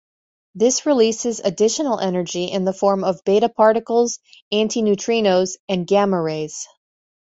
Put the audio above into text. This releases additional energy in the form of beta particles, antineutrinos, and gamma rays.